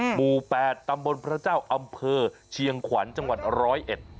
หมู่แปดตำบลพระเจ้าอำเภอเชียงขวัญจังหวัดร้อยเอ็ด